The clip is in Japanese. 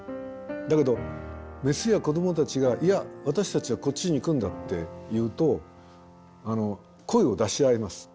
だけどメスや子どもたちが「いや私たちはこっちに行くんだ」って言うと声を出し合います。